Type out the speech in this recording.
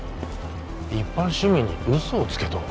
一般市民に嘘をつけと？